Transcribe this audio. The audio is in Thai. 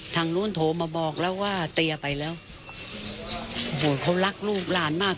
ทางนู้นโทรมาบอกแล้วว่าเตียไปแล้วโอ้โหเขารักลูกหลานมาก